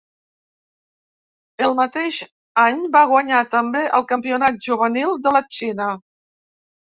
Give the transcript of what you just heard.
El mateix any va guanyar també el campionat juvenil de la Xina.